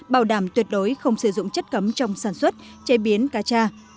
bảo đảm tuyệt đối không sử dụng chất cấm trong sản xuất chế biến cá cha